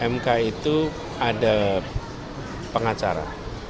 mk itu ada pengacara